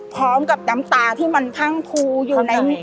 พร้อมกับน้ำตาที่มันพังพูอยู่ใน